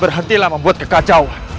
berhentilah membuat kekacauan